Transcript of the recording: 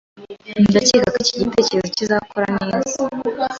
Ndakeka ko iki gitekerezo kizakora neza.